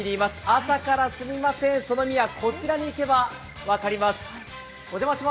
朝からすみません、その意味は、こちらに行けば分かります。